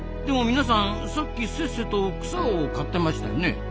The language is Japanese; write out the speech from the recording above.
でも皆さんさっきせっせと草を刈ってましたよね？